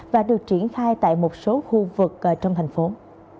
và được triển khai tại một số khu vực trong tp hcm